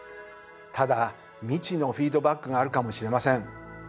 ただ未知のフィードバックがあるかもしれません。